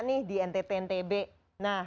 nih di nttn tb nah